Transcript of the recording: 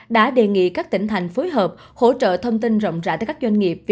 đã đề nghị các tỉnh thành phối hợp hỗ trợ thông tin rộng rãi tới các doanh nghiệp